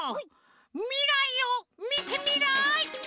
みらいをみてみらい！